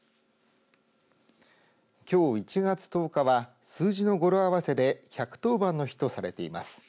きょう１月１０日は数字のごろ合わせで１１０番の日とされています。